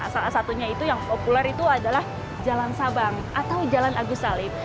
salah satunya itu yang populer itu adalah jalan sabang atau jalan agus salim